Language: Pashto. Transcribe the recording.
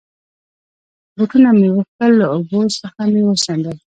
بوټونه مې و کښل، له اوبو څخه مې و څنډل.